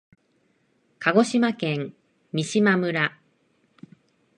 鹿児島県三島村